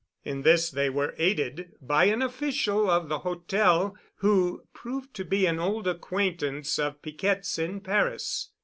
In this they were aided by an official of the Hotel who proved to be an old acquaintance of Piquette's in Paris.